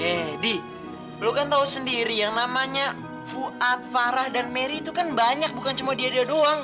eh di lu kan tahu sendiri yang namanya fuad farah dan mary itu kan banyak bukan cuma dia dia doang